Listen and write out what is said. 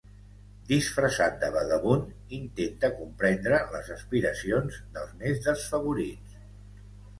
Disfressat de vagabund, intenta comprendre les aspiracions dels més desfavorits.